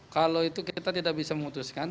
kalau itu kita tidak bisa memutuskan